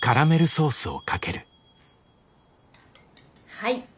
はい。